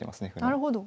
なるほど。